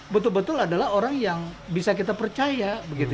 betul betul adalah orang yang bisa kita percaya